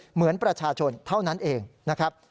เหมือนประชาชนเท่านั้นเองนะครับ